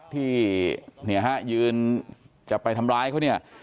ที่ยืนจะไปทำร้ายเขา